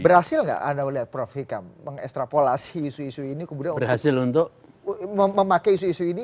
berhasil nggak anda melihat prof hikam mengekstrapolasi isu isu ini kemudian untuk memakai isu isu ini